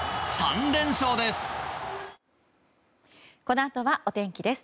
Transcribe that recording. ３連勝です。